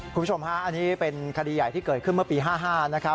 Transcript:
คุณผู้ชมฮะอันนี้เป็นคดีใหญ่ที่เกิดขึ้นเมื่อปี๕๕นะครับ